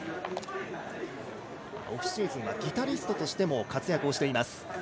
オフシーズンはギタリストとしても活躍しています。